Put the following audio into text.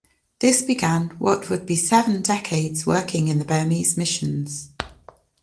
This began what would be seven decades working in the Burmese missions.